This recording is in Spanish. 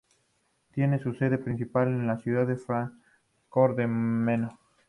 Tiene su sede principal en la ciudad de Fráncfort del Meno.